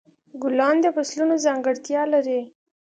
ګلان د فصلونو ځانګړتیا لري.